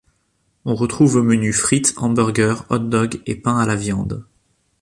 On retrouve au menu frites, hamburgers, hot-dogs et pains à la viande.